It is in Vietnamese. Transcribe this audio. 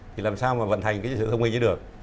thì làm sao mà vận hành cái sử dụng thông minh như được